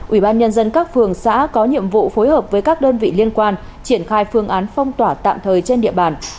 ubnd tp quy nhơn có nhiệm vụ phối hợp với các đơn vị liên quan triển khai phương án phong tỏa tạm thời trên địa bàn